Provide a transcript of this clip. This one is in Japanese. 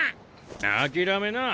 諦めな。